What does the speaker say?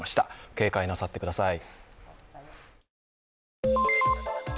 警戒なさってください。